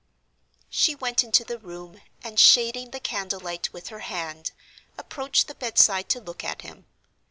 She went into the room, and, shading the candle light with her hand, approached the bedside to look at him.